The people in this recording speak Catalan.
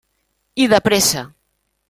I de pressa.